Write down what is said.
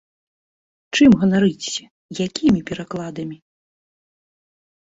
Чым ганарыцеся, якімі перакладамі?